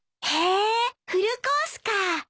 へえフルコースか。